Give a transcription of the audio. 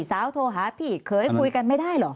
สาวโทรหาผีเคยคุยกันไม่ได้หรอ